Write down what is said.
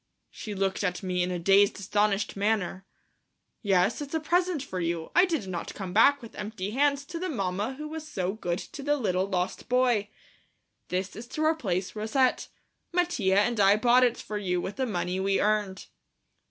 She looked at me in a dazed, astonished manner. "Yes, it's a present for you. I did not come back with empty hands to the mamma who was so good to the little lost boy. This is to replace Rousette. Mattia and I bought it for you with the money we earned."